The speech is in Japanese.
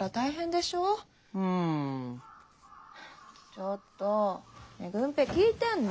ちょっとねえ郡平聞いてんの？